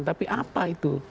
tapi apa itu